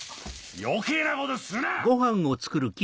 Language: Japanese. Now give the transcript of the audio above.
余計なことするな！